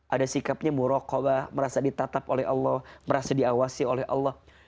ada sikapnya murakabah ⁇ merasa ditatap oleh allah merasa diawasi oleh allah